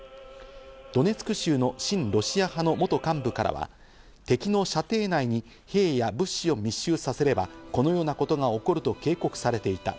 ドネツク州の親ロシア派の元幹部からは、敵の射程内に兵や物資を密集させれば、このようなことが起こると警告されていた。